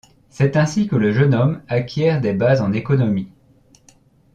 C’est ainsi que le jeune homme acquiert des bases en économie.